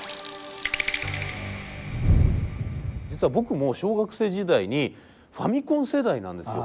実は僕も小学生時代にファミコン世代なんですよ。